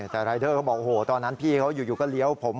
แต่รายเดอร์เขาบอกโอ้โหตอนนั้นพี่เขาอยู่ก็เลี้ยวผม